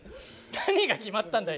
何が決まったんだよ？